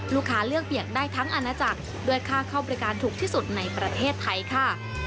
ลูกค้าเลือกเปียกได้ทั้งอาณาจักรด้วยค่าเข้าบริการถูกที่สุดในประเทศไทยค่ะ